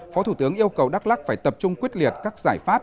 phó thủ tướng yêu cầu đắk lắc phải tập trung quyết liệt các giải pháp